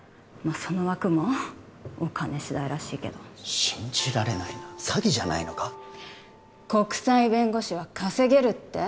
その枠もお金次第らしいけど信じられないな詐欺じゃないのか国際弁護士は稼げるって？